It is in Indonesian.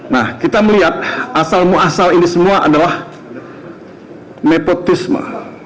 nah kita melihat asal muasal ini semua adalah nepotisme